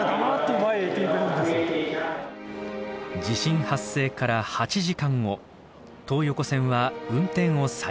地震発生から８時間後東横線は運転を再開。